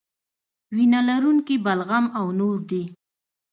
وینه لرونکي بلغم او نور دي.